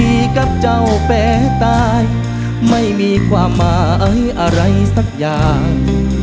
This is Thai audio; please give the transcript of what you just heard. มีกับเจ้าแป้ตายไม่มีความหมายอะไรสักอย่าง